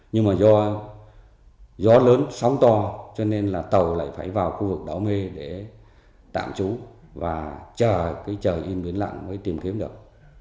nhưng mà do gió lớn sóng to cho nên là tàu lại phải vào khu vực đảo mê để tạm trú và chờ cái trời yên biến lặng mới tìm kiếm được